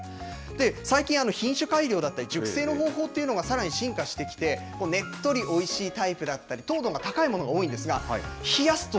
最近、品種改良だったり熟成の方法というのがさらに進化してきて、ねっとりおいしいタイプだったり、糖度が高いものが多いんですが、冷やすと、